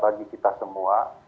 bagi kita semua